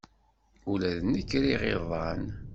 Ula d nekk riɣ iḍan.